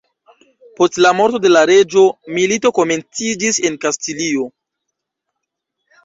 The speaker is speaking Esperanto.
Post la morto de la reĝo, milito komenciĝis en Kastilio.